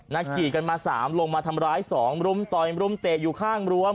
ขี่กันมา๓ลงมาทำร้าย๒รุมต่อยรุมเตะอยู่ข้างรั้ว